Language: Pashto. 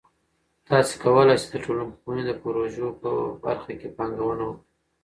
تاسې کولای سئ د ټولنپوهنې د پروژه په برخه کې پانګونه وکړئ.